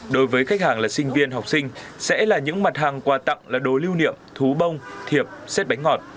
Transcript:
đối với khách hàng là sinh viên học sinh sẽ là những mặt hàng quà tặng là đồ lưu niệm thú bông thiệp xét bánh ngọt